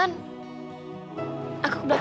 masnya island kundalok